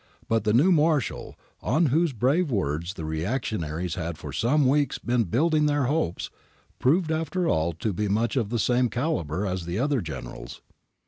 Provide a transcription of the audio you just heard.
But the new Marshal, on whose brave words the reactionaries had for some weeks been building their hopes, proved after all to be of much the same calibre as the other Generals.